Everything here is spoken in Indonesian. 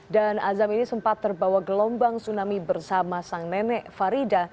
dan azam ini sempat terbawa gelombang tsunami bersama sang nenek farida